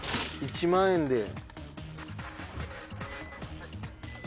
１万円で。